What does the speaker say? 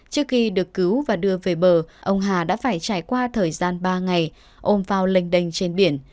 trước khi được cứu và đưa về bờ ông hà đã phải trải qua thời gian ba ngày ôm vào linh đênh trên biển